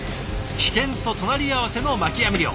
危険と隣り合わせの巻き網漁。